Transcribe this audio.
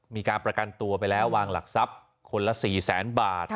มีการประกันตัวไปแล้ววางหลักทรัพย์คนละ๔แสนบาท